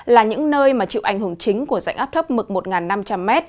là những nơi mà chịu ảnh hưởng chính của dạnh áp thấp mực một năm trăm linh m